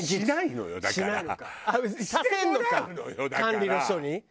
管理の人に？